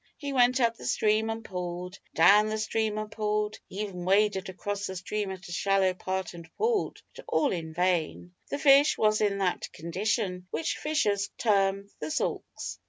He went up the stream and pulled, down the stream and pulled, he even waded across the stream at a shallow part and pulled, but all in vain. The fish was in that condition which fishers term "the sulks."